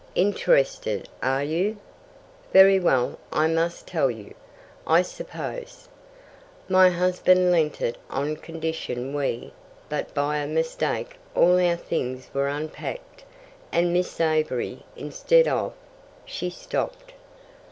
"Interested, are you? Very well, I must tell you, I suppose. My husband lent it on condition we but by a mistake all our things were unpacked, and Miss Avery, instead of " She stopped.